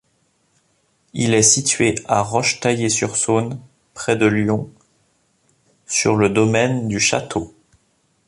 Il est situé à Rochetaillée-sur-Saône, près de Lyon, sur le domaine du château.